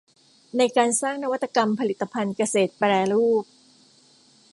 ในการสร้างนวัตกรรมผลิตภัณฑ์เกษตรแปรรูป